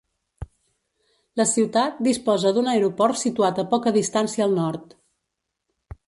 La ciutat disposa d'un aeroport situat a poca distància al nord.